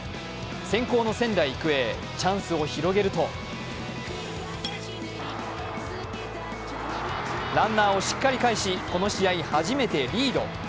先攻の仙台育英、チャンスを広げるとランナーをしっかり返し、この試合初めてリード。